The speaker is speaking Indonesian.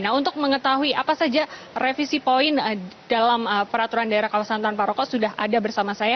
nah untuk mengetahui apa saja revisi poin dalam peraturan daerah kawasan tanpa rokok sudah ada bersama saya